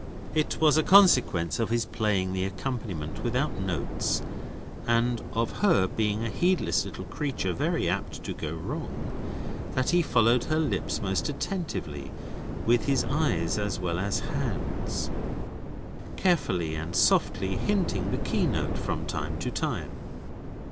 It was a consequence of his playing the accompaniment without notes, and of her being a heedless little creature, very apt to go wrong, that he followed her lips most attentively, with his eyes as well as hands; carefully and softly hinting the key note from time to time.